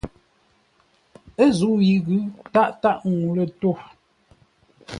Ə́ zə̂u yi ghʉ̌, tâʼ tâʼ ŋuu lə̂ tô.